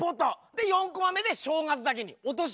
で４コマ目で「正月だけに落とし球」。